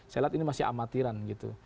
saya lihat ini masih amatiran gitu